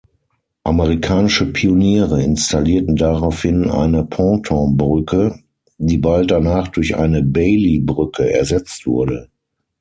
Amerikanische Pioniere installierten daraufhin eine Pontonbrücke, die bald danach durch eine Bailey-Brücke ersetzt wurde.